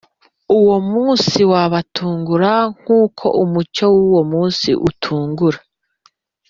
uwo munsi wabatungura nk uko umucyo w umunsi utungura